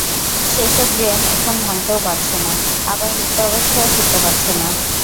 সেসব ড্রেন এখন ভাঙতেও পারছে না, আবার মুক্ত অবস্থায়ও ফিরতে পারছে না।